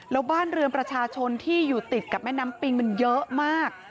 แล้วบ้านเรือนประชาชนที่อยู่ติดกับแม่น้ำปิงมันเยอะมาก